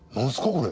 これ。